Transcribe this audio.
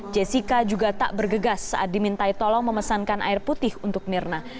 jessica juga tak bergegas saat dimintai tolong memesankan air putih untuk mirna